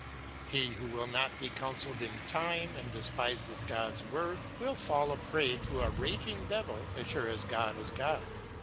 He who will not be counselled in time and despises God's Word will fall a prey to a raging devil as sure as God is God.